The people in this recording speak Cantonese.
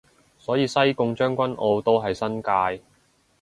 所以西貢將軍澳都係新界